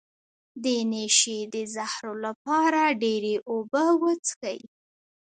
د نشې د زهرو لپاره ډیرې اوبه وڅښئ